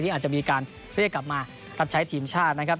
อาจจะมีการเรียกกลับมารับใช้ทีมชาตินะครับ